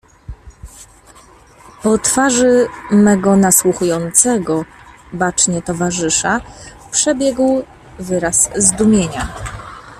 "Po twarzy mego, nasłuchującego bacznie, towarzysza, przebiegł wyraz zdumienia."